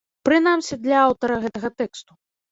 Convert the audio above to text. Прынамсі, для аўтара гэтага тэксту.